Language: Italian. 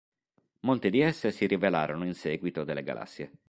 Molte di esse si rivelarono in seguito delle galassie.